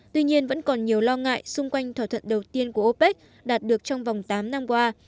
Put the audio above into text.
tuy nhiên vẫn còn nhiều lo ngại xung quanh thỏa thuận đầu tiên của opec đạt được trong vòng tám năm qua